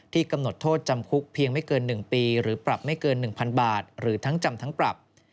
กำหนดโทษจำคุกเพียงไม่เกิน๑ปีหรือปรับไม่เกิน๑๐๐๐บาทหรือทั้งจำทั้งปรับ